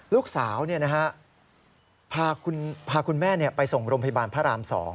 ลูกสาวพาคุณแม่ไปส่งโรงพยาบาลพระราม๒